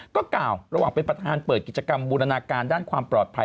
ก็กล่าวระหว่างเป็นประธานเปิดกิจกรรมบูรณาการด้านความปลอดภัย